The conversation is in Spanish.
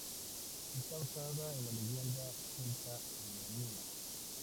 Está basada en la leyenda celta homónima.